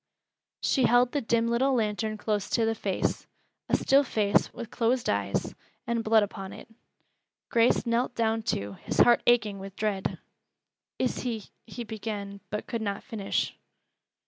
She held the dim little lantern close to the face, a still face with closed eyes, and blood upon it. Grace knelt down too, his heart aching with dread. "Is he " he began, but could not finish.